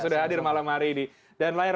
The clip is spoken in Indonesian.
sudah hadir malam hari ini dan layar